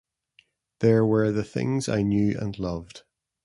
There were the things I knew and loved.